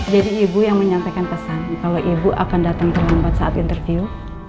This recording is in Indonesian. ibu yang menyampaikan pesan kalau ibu akan datang terlambat saat interview